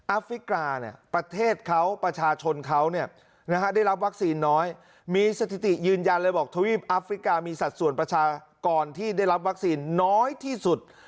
ฟริกาประเทศเขาประชาชนเขาได้รับวัคซีนน้อยมีสถิติยืนยันเลยบอกทวีปอัฟริกามีสัดส่วนประชากรที่ได้รับวัคซีนน้อยที่สุด